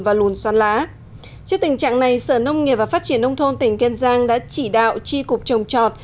trước tình trạng này sở nông nghiệp và phát triển nông thôn tỉnh kiên giang đã chỉ đạo tri cục trồng trọt